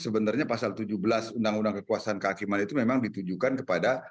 sebenarnya pasal tujuh belas undang undang kekuasaan kehakiman itu memang ditujukan kepada